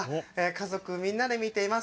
家族みんなで見ています。